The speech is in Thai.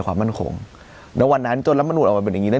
ความมั่นคงแล้ววันนั้นจนลำมนุมเอามาเป็นอย่างงี้น่ะ